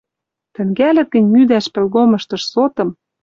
Тӹнгӓлӹт гӹнь мӱдӓш пӹлгомыштыш сотым